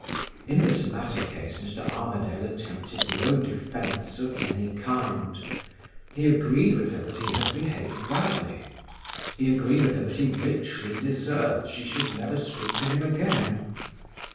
"In this latter case, Mr. Armadale attempted no defense of any kind. He agreed with her that he had behaved badly; he agreed with her that he richly deserved she should never speak to him again.